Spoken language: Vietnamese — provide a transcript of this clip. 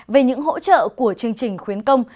về những hỗ trợ của chương trình khuyến công